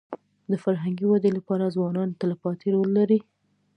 د فرهنګي ودې لپاره ځوانان تلپاتې رول لري.